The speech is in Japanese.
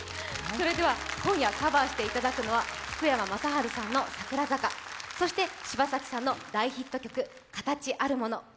今夜カバーしていただくのは福山雅治さんの「桜坂」そして柴咲さんの大ヒット曲「かたちあるもの」